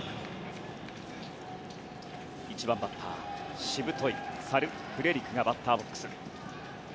１番バッターはしぶといサル・フレリクがバッターボックス。